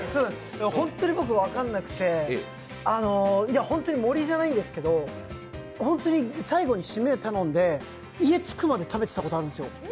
本当に僕、分からなくて本当に盛りじゃないんですけど本当に最後に締め頼んで家に着くまでかんでたことがあるんですよ。